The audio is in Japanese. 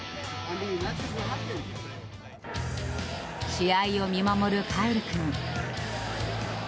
試合を見守るカイル君。